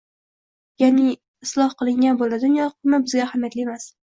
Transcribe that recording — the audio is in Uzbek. yoki “isloh qilingan” bo‘ladimi-yo‘qmi bizga ahamiyatli emas.